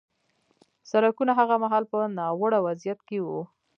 سړکونه هغه مهال په ناوړه وضعیت کې وو